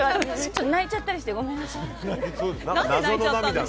泣いちゃったりしてごめんなさい。